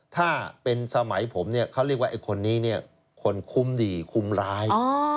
ถ้าเป็นสมัยผมเขาเรียกว่าคนคุ้มดีคุ้มร้าย